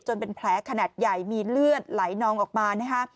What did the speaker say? เป็นแผลขนาดใหญ่มีเลือดไหลนองออกมานะฮะ